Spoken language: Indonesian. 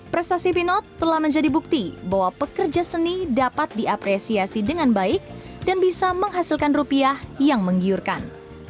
prestasi pinot telah menjadi bukti bahwa pekerja seni dapat diapresiasi dengan baik dan bisa menghasilkan rupiah yang menggiurkan